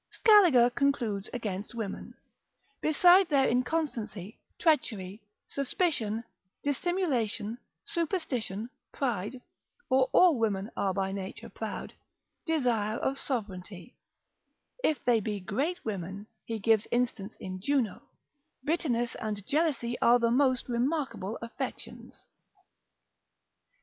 Scaliger Poet. lib. cap. 13. concludes against women: Besides their inconstancy, treachery, suspicion, dissimulation, superstition, pride, (for all women are by nature proud) desire of sovereignty, if they be great women, (he gives instance in Juno) bitterness and jealousy are the most remarkable affections.